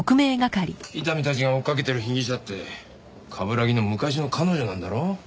伊丹たちが追っかけてる被疑者って冠城の昔の彼女なんだろ？